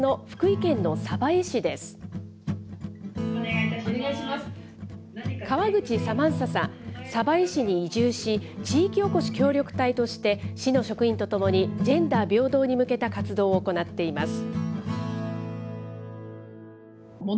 鯖江市に移住し、地域おこし協力隊として、市の職員と共に、ジェンダー平等に向けた活動を行っています。